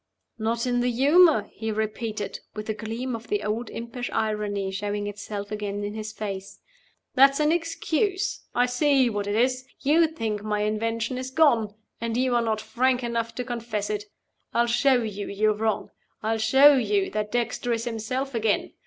"Not in the humor?" he repeated, with a gleam of the old impish irony showing itself again in his face. "That's an excuse. I see what it is! You think my invention is gone and you are not frank enough to confess it. I'll show you you're wrong. I'll show you that Dexter is himself again.